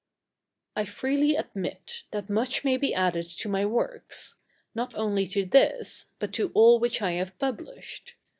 I freely admit, that much may be added to my works; not only to this, but to all which I have published.